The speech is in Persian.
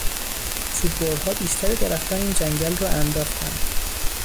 چوب برها بیشتر درختان این جنگل را انداختند.